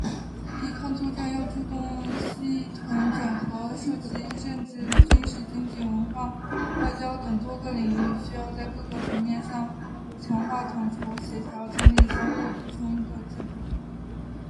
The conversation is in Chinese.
系统性：抵抗作战要注重系统整合，涉及政治、军事、经济、文化、外交等多个领域，需要在各个层面上强化统筹协调，建立相互补充的制度。